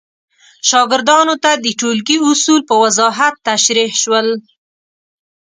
شاګردانو ته د ټولګي اصول په وضاحت تشریح شول.